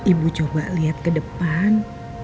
ibu coba lihat ke depan